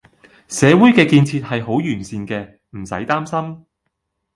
社會嘅建設係好完善嘅，唔駛擔心